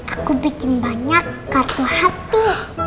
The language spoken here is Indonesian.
aku bikin banyak kartu hati